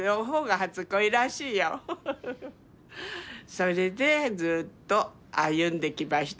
それでずっと歩んできました